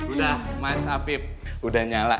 udah mas hafib udah nyala